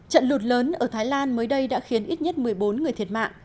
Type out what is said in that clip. trận lụt lớn ở thái lan mới đây đã khiến ít nhất một mươi bốn người thiệt mạng